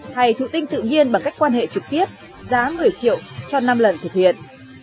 hay thụ tinh tự nhiên bằng cách quan hệ trực tiếp giá một mươi triệu cho năm lần thực hiện